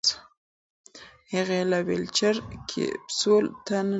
هغې له ویلچیر کپسول ته ننوتله.